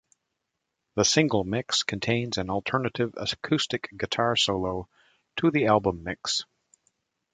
The single mix contains an alternate acoustic guitar solo to the album mix.